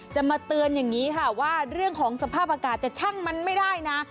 จะมาเตือนอย่างนี้ค่ะว่าเรื่องของสภาพอากาศจะช่างมันไม่ได้นะ